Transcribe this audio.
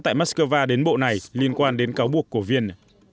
tại moscow đến bộ này liên quan đến cáo buộc của viên